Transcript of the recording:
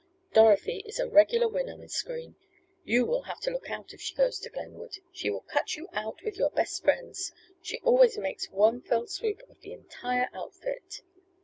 Dorothy is a regular winner, Miss Green. You will have to look out if she goes to Glenwood. She will cut you out with your best friends. She always makes one fell swoop of the entire outfit!"